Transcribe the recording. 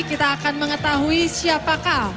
kita akan mengetahui siapakah